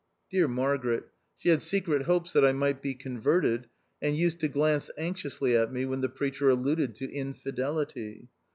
Dear Margaret! she had secret hopes that I might be converted, and used to glance anxiously at me when the preacher alluded to infidelity.